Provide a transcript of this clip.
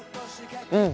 うん！